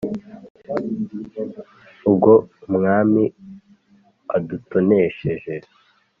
«ubwo umwami adutonesheje,